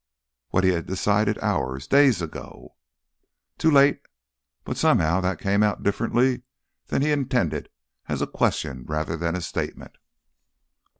What had he decided hours, days ago? "Too late...." But somehow that came out differently than he intended, as a question rather than a statement.